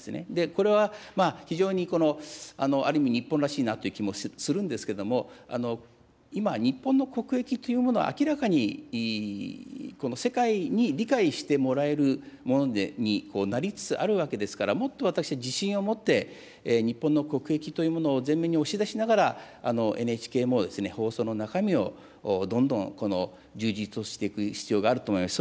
これは非常に、ある意味日本らしいなという気もするんですけれども、今、日本の国益というものは、明らかに世界に理解してもらえるものになりつつあるわけですから、もっと私は自信を持って、日本の国益というものを前面に押し出しながら、ＮＨＫも放送の中身をどんどん充実をしていく必要があると思います。